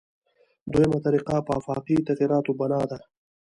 دویمه طریقه په آفاقي تغییراتو بنا ده.